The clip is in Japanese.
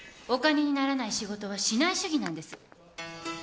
お金にならない仕事はしない主義なんです。